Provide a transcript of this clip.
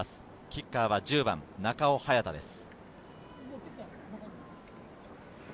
キッカーは１０番・中尾隼太です。